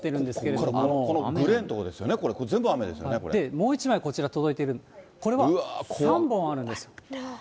ここから、このグレーの所ですよね、これ、もう１枚、こちら届いている、これは３本あるんです。